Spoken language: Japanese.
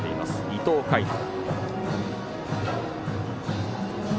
伊藤櫂人。